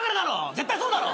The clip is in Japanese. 絶対そうだろ！